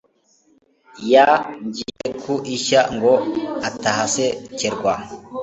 Ya ngiye ku ishya ngo atahasekerwa